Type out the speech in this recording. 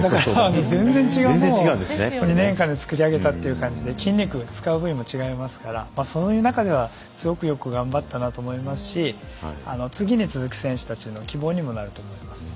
全然違うものを２年間でつくり上げたという感じで筋肉を使う部位も違いますからそういう中では、すごくよく頑張ったなと思いますし次に続く選手たちへの希望にもなると思います。